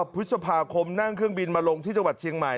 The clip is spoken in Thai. พฤษภาคมนั่งเครื่องบินมาลงที่จังหวัดเชียงใหม่